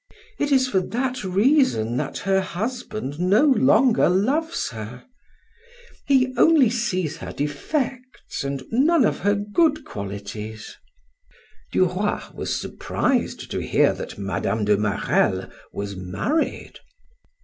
It is for that reason that her husband no longer loves her. He only sees her defects and none of her good qualities." Duroy was surprised to hear that Mme. de Marelle was married.